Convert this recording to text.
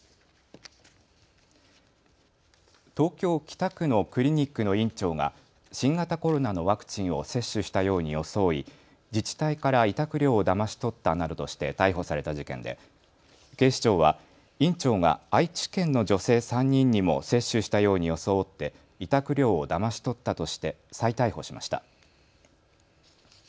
東京北区のクリニックの院長が新型コロナのワクチンを接種したように装い自治体から委託料をだまし取ったなどとして逮捕された事件で警視庁は院長が愛知県の女性３人にも接種したように装って委託料をだまし取ったとして再逮捕しました。